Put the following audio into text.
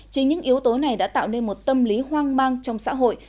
chính những yếu tố này đã tạo nên một tâm lý hoang mang trong xã hội